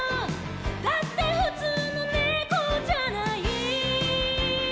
「だってふつうのねこじゃない」